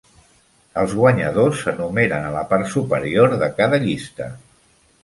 Els guanyadors s'enumeren a la part superior de cada llista.